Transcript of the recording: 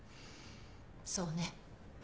そうね。